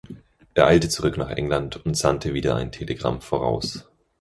Er eilte zurück nach England und sandte wieder ein Telegramm voraus.